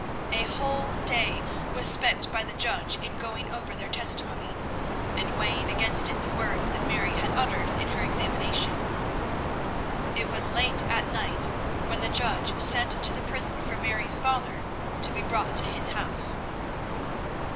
A whole day was spent by the judge in going over their testimony, and weighing against it the words that Mary had uttered in her examination. It was late at night when the judge sent to the prison for Mary's father to be brought to his house.